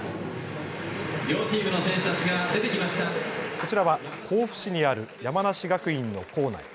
こちらは甲府市にある山梨学院の校内。